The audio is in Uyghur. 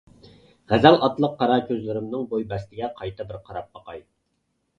«غەزەل» ئاتلىق قارا كۆزلىرىمنىڭ بوي-بەستىگە قايتا بىر قاراپ باقاي.